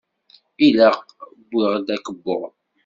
Ilaq wwiɣ-d akebbuḍ.